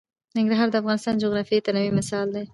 ننګرهار د افغانستان د جغرافیوي تنوع مثال دی.